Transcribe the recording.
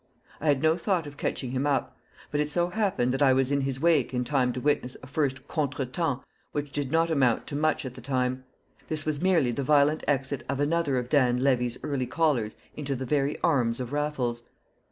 I had no thought of catching him up. But it so happened that I was in his wake in time to witness a first contretemps which did not amount to much at the time; this was merely the violent exit of another of Dan Levy's early callers into the very arms of Raffles.